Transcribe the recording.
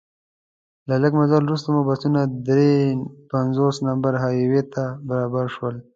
له لږ مزل وروسته مو بسونه درې پنځوس نمبر های وې ته برابر شول.